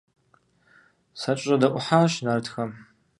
СакӀэщӀэдэӀухьащ нартхэм.